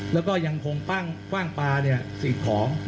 แล้วก็ยังคงปั้้งฟ่างปลาสิทธิ์ของ